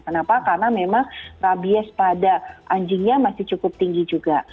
kenapa karena memang rabies pada anjingnya masih cukup tinggi juga